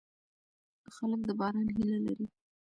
خلک د باران هیله لري.